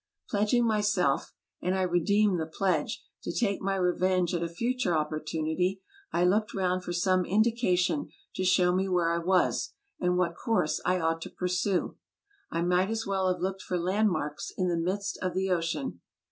Pledging myself (and I redeemed the pledge) to take my revenge at a future opportunity, I looked round for some indications to show me where I was, and what course I ought to pursue; I might as well have looked for landmarks in the midst of the ocean.